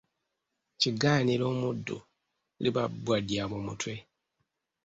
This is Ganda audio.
Kigaanira omuddu liba bbwa lya mu mutwe.